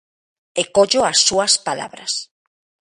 E collo as súas palabras.